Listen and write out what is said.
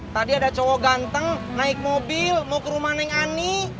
tadi ada cowok ganteng naik mobil mau ke rumah neng ani